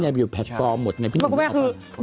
แบบอยู่แพลตฟอร์มหมดไงพี่นี่